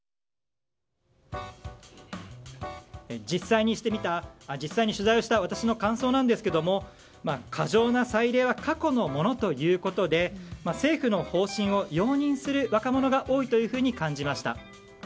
実際に取材をした私の感想ですが過剰な彩礼は過去のものということで政府の方針を容認する若者が多いというふうに感じました。